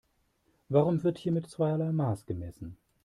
Warum wird hier mit zweierlei Maß gemessen?